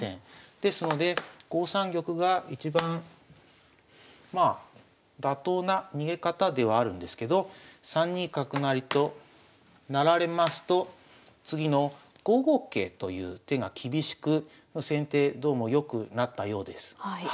ですので５三玉が一番まあ妥当な逃げ方ではあるんですけど３二角成となられますと次の５五桂という手が厳しく先手どうもよくなったようです。